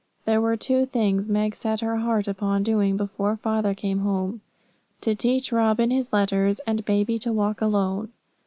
There were two things Meg set her heart upon doing before father came home: to teach Robin his letters, and baby to walk alone.